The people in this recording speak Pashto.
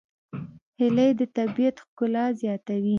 هیلۍ د طبیعت ښکلا زیاتوي